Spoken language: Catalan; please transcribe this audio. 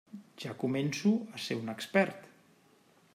Ja començo a ser un expert.